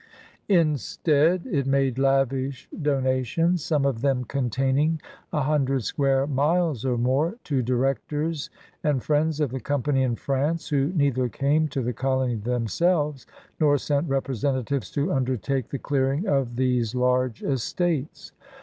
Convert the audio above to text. Instead, it made lavish donations, some of them containing a himdred square miles or more, to directors and friends of the Company in France who neither came to the colony themselves nor sent representatives to undertake the clearing of these large estates.